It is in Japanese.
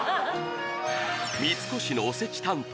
三越のおせち担当